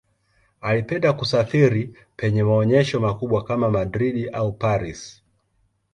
Alipenda kusafiri penye maonyesho makubwa kama Madrid au Paris.